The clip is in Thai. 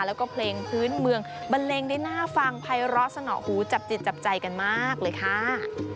แล้วก็เพลงพื้นเมืองบันเลงได้น่าฟังภัยร้อสนอหูจับจิตจับใจกันมากเลยค่ะ